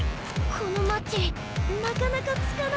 コノマッチなかなかつかない。